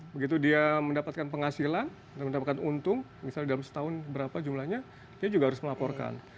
begitu dia mendapatkan penghasilan dan mendapatkan untung misalnya dalam setahun berapa jumlahnya dia juga harus melaporkan